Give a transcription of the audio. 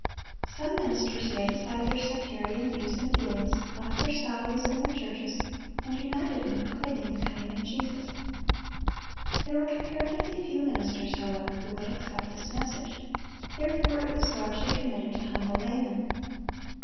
Some ministers laid aside their sectarian views and feelings, left their salaries and their churches, and united in proclaiming the coming of Jesus. There were comparatively few ministers, however, who would accept this message; therefore it was largely committed to humble laymen.